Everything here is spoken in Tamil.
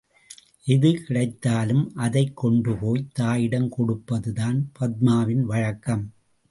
எது கிடைத்தாலும் அதைக் கொண்டு போய் தாயிடம் கொடுப்பது தான் பத்மாவின் வழக்கம்.